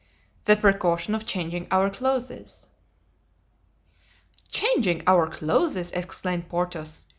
"The precaution of changing our clothes." "Changing our clothes!" exclaimed Porthos.